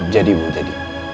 jadi bu jadi